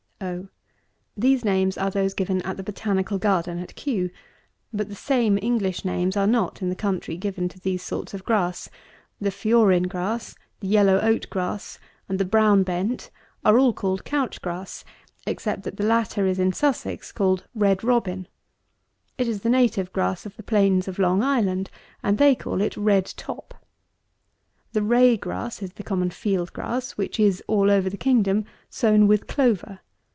O. These names are those given at the Botanical Garden at Kew. But the same English names are not in the country given to these sorts of grass. The Fiorin grass, the Yellow Oat grass, and the Brown Bent, are all called couch grass; except that the latter is, in Sussex, called Red Robin. It is the native grass of the plains of Long Island; and they call it Red Top. The Ray grass is the common field grass, which is, all over the kingdom, sown with clover.